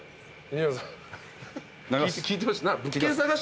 西村さん聞いてました？